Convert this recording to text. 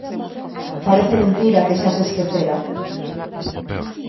Parece mentira que xa se esquecera.